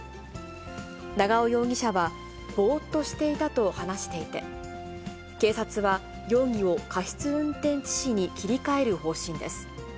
長尾容疑者は、ぼーっとしていたと話していて、警察は容疑を過失運転致死に切り替える方針です。